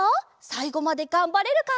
さいごまでがんばれるか？